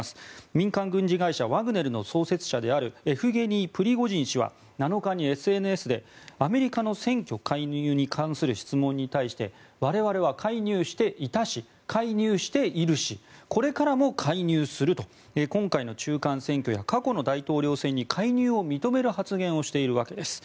民間軍事会社ワグネルの創設者であるエフゲニー・プリゴジン氏は７日にＳＮＳでアメリカの選挙介入に関する質問に対して我々は介入していたし介入しているしこれからも介入すると今回の中間選挙や過去の大統領選に介入を認める発言をしているわけです。